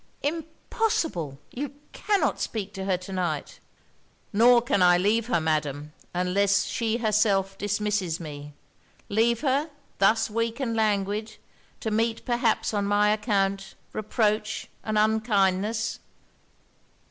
'Impossible! you cannot speak to her to night.' 'Nor can I leave her, Madam, unless she herself dismisses me. Leave her, thus weak and languid, to meet perhaps on my account reproach and unkindness!'